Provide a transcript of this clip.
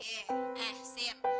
eh eh siap